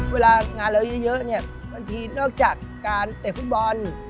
เวลางานเราเยอะเนี่ยบางทีนอกจากการเตะฟุตบอล